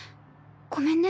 ごめんね